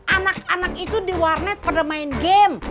anak anak itu di warnet pada main game